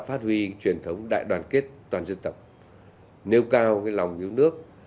phát huy truyền thống đại đoàn kết toàn dân tộc nêu cao lòng yêu nước